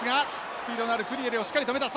スピードがあるクリエルをしっかり止めた。